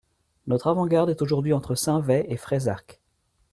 Notre avant-garde est aujourd'hui entre Saint-Veit et Freisach.